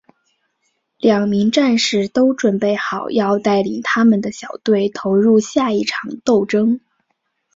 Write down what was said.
两名战士都准备好要带领他们的小队投入下一场战斗。